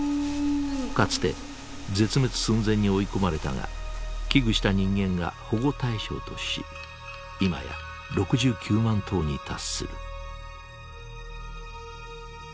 かつて絶滅寸前に追い込まれたが危惧した人間が保護対象としいまや６９万頭に達する。